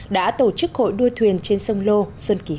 đã tổ chức hội đuổi văn hóa truyền thống của việt nam